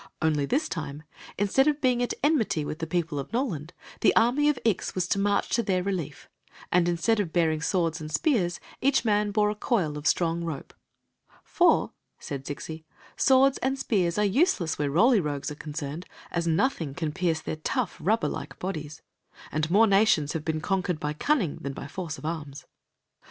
Only this 27+ Quee n Zixi of Ix; or, the time, instead of being at enmity with the people of Noland, the army of Ix was to march to their relief; and instead of bearing swords and spears, each man bore a coil of strong rope. •• HK STARTED AT OHCB TO KlTf UN 1 O NOLE." " For," said Zixi, " swords and spears are useless where the Roly Rogues are concerned, as nothing can pierce their tough, rubber like bodies. And more nations have been conquered by cunning than by force of arms."